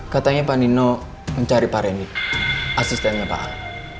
katanya pak nino mencari pak randy asistennya pak al